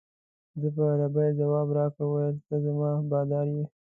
ده په عربي جواب راکړ ویل ته زما بادار یې.